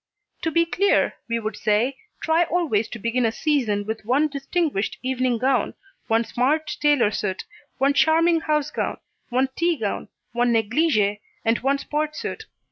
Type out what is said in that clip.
To be clear, we would say, try always to begin a season with one distinguished evening gown, one smart tailor suit, one charming house gown, one tea gown, one negligée and one sport suit.